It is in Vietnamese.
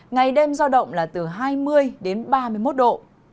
ngày đêm giao động là từ hai mươi đến ba mươi một độ